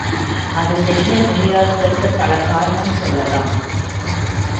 அதைச் செய்ய முடியாததற்குப் பல காரணம் சொல்லலாம்.